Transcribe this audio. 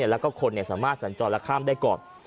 แล้วก็คนสามารถสัญจรและข้ามได้ก่อน